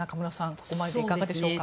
ここまででいかがでしょうか。